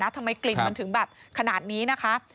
ทำไมกลิ่นมันถึงแบบขนาดนี้นะคะ